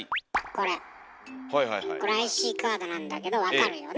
これＩＣカードなんだけど分かるよね？